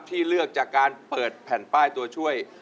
ที่เลือกจากการเปิดแผ่นป้ายตัวช่วย